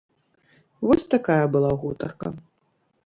Вось такая была гутарка.